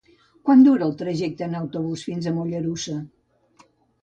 Quant dura el trajecte en autobús fins a Mollerussa?